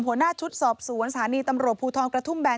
หัวหน้าชุดสอบสวนสถานีตำรวจภูทรกระทุ่มแบน